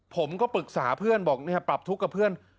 ผมก็ปรึกษาเพื่อนบอกปรับทุกข์กับเพื่อน